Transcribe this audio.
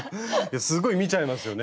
すごい見ちゃいますよね。